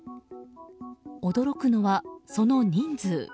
驚くのは、その人数。